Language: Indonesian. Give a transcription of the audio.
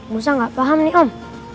musa nggak paham nih om